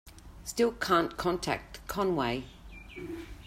Still can't contact Conway.